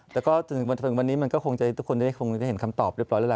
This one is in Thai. แต่ก็ถึงวันนี้มันก็คงจะทุกคนได้คงได้เห็นคำตอบเรียบร้อยแล้วล่ะ